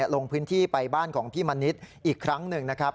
ลงพื้นที่ไปบ้านของพี่มณิษฐ์อีกครั้งหนึ่งนะครับ